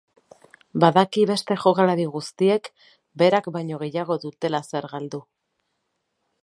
Badaki beste jokalari guztiek, berak baino gehiago dutela zer galdu.